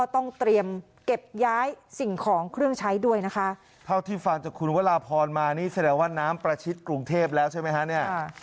เท่าที่ฟังจากคุณวัลาพรมานี่แสดงว่าน้ำประชิดกรุงเทพแล้วใช่ไหมคะเนี่ย